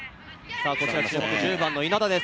注目１０番の稲田です。